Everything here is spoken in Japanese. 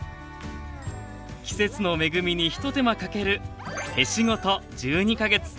季節の恵みにひと手間かける「手仕事１２か月」。